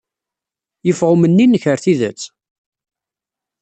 Yeffeɣ umenni-nnek ɣer tidet?